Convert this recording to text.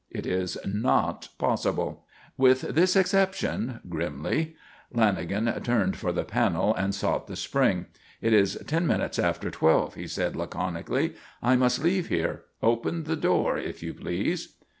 "It is not possible." "With this exception," grimly. Lanagan turned for the panel and sought the spring. "It is ten minutes after twelve," he said laconically. "I must leave here. Open the door, if you please."